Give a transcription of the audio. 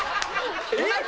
えっ⁉